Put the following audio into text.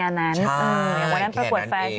อย่างวันนั้นประกวดแฟร์เช่นนางแบบ